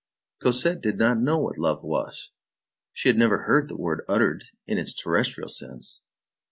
Cosette did not know what love was. She had never heard the word uttered in its terrestrial sense.